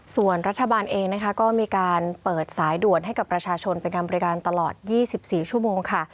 ส่วนรัฐบาลเองนะคะก็มีการเปิดสายด่วนให้กับประชาชนเป็นการบริการตลอด๒๔ชั่วโมงค่ะ